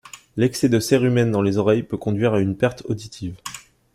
L'excès de cérumen dans les oreilles peut conduire à une perte auditive.